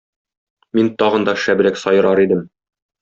Мин тагын да шәбрәк сайрар идем